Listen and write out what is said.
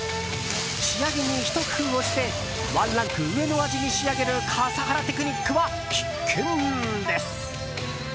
仕上げにひと工夫をしてワンランク上の味に仕上げる笠原テクニックは必見です。